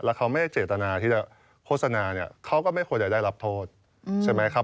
แล้วเขาไม่ได้เจตนาที่จะโฆษณาเนี่ยเขาก็ไม่ควรจะได้รับโทษใช่ไหมครับ